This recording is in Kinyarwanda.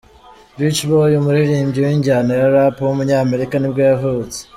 Rich Boy, umuririmbyi w’injyana ya Rap w’umunyamerika nibwo yavutse.